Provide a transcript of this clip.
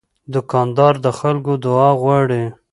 دوکاندار د خلکو دعا غواړي.